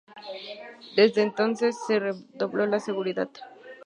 Desde entonces se redobló la seguridad.